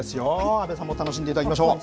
安部さんも楽しんでいただきましょう。